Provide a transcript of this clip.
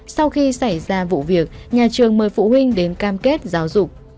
sau khi xảy ra vụ việc nhà trường mời phụ huynh đến cam kết giáo dục